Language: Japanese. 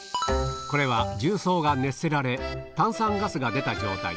これは重曹が熱せられが出た状態